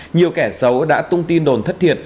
nhiều kẻ xấu đã tung tin đồn thất thiệt